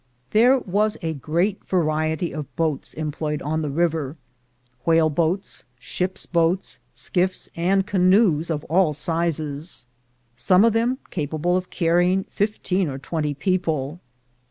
There was a great variety of boats employed on the river — whale boats, ships' boats, skiffs, and canoes of all sizes, some of them capable of carrying fifteen or twenty people.